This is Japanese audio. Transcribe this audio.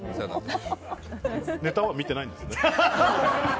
ネタは見ていないんですね。